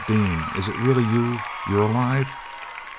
"Dean, it's really you! You're alive!"